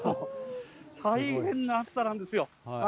大変な暑さなんですよ。